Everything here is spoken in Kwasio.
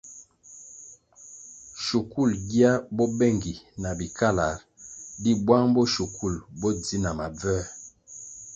Shukul gia bo bengi na bikalar di bwang bo shukul bo dzi na mabvoē.